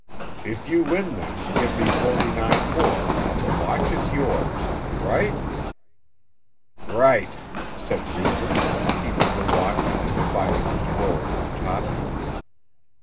If you win them give me forty nine more, and the watch is yours. Right?" "Right," said Reivers, keeping the watch and dividing his roll with Toppy.